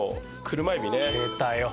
出たよ。